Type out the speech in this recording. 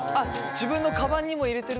自分のカバンにも入れてるけど。